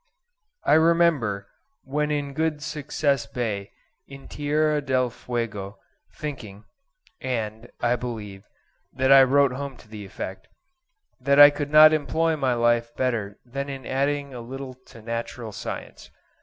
I remember when in Good Success Bay, in Tierra del Fuego, thinking (and, I believe, that I wrote home to the effect) that I could not employ my life better than in adding a little to Natural Science.